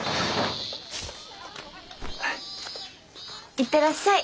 行ってらっしゃい。